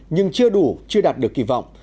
nhưng chưa đủ chưa đạt được kỳ vọng